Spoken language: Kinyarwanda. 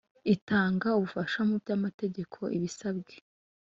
itanga Ubufasha mu by Amategeko ibisabwe